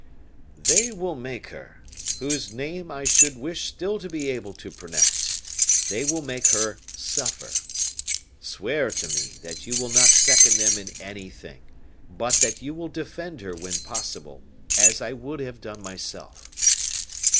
"They will make her, whose name I should wish still to be able to pronounce they will make her suffer. Swear to me that you will not second them in anything but that you will defend her when possible, as I would have done myself."